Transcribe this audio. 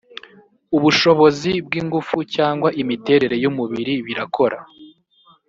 ubushobozi bw’ingufu cyangwa imiterere y’umubiri birakora